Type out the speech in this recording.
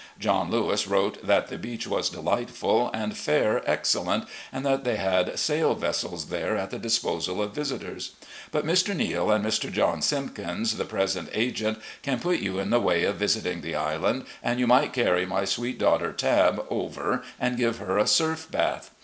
John Lewis wrote that the beach was delightftal and fare excellent, and that they had sail vessels there at the disposal of visitors. But Mr. Neale and Mr. John Simp kins, the present agent, can put you in the way of visiting the island, and you might carry my sweet daugh ter, Tabb, over and give her a surf bath.